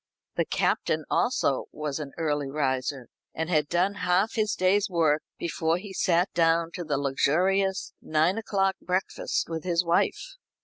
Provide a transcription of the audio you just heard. The Captain also was an early riser, and had done half his day's work before he sat down to the luxurious nine o'clock breakfast with his wife.